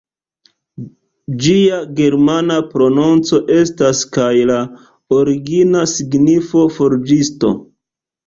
Ĝia germana prononco estas kaj la origina signifo "forĝisto".